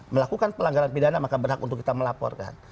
melakukan pelanggaran pidana maka berhak untuk kita melaporkan